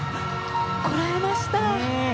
こらえました。